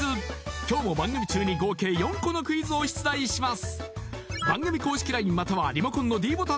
今日も番組中に合計４個のクイズを出題します